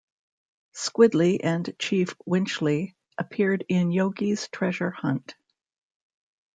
Squiddly and Chief Winchley appeared in "Yogi's Treasure Hunt".